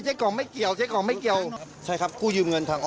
ไม่มีใครจ้างไม่มีใครจ้าง